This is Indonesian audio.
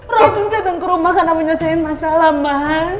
roy pun datang ke rumah karena menyelesaikan masalah mas